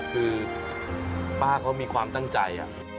คือป้าเขามีความตั้งใจ